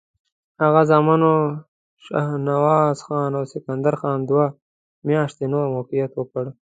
د هغه زامنو شهنواز خان او سکندر خان دوه میاشتې نور مقاومت وکړ.